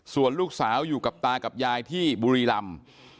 ส่วนลูกสาวอยู่กับตากับยายที่บุรีรำ